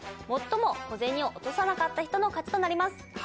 最も小銭を落とさなかった人の勝ちとなります。